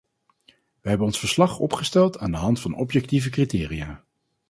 Wij hebben ons verslag opgesteld aan de hand van objectieve criteria.